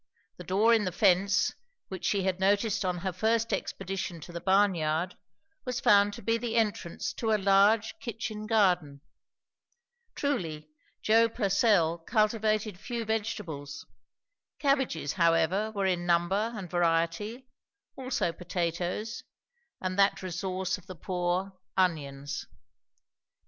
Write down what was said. The door in the fence, which she had noticed on her first expedition to the barnyard, was found to be the entrance to a large kitchen garden. Truly, Joe Purcell cultivated few vegetables; cabbages however were in number and variety, also potatoes, and that resource of the poor, onions.